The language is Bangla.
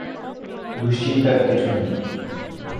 দুশ্চিন্তার কিছু নেই।